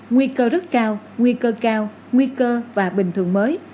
nguy cơ rất cao nguy cơ cao nguy cơ và bình thường mới